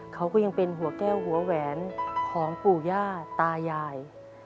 เขาก็ยังเป็นหัวแก้วหัวแหวนของปู่ย่าตายาย